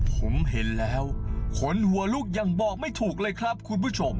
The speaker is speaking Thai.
ผมเห็นแล้วขนหัวลุกยังบอกไม่ถูกเลยครับคุณผู้ชม